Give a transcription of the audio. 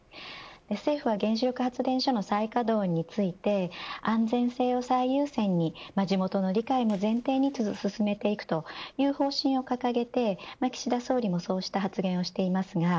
政府は原子力発電所の再稼働について安全性を最優先に地元の理解を前提に進めていくという方針を掲げて、岸田総理もそうした発言をしています